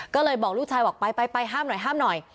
ก็เลยบอกลูกชายไปห้ามหน่อย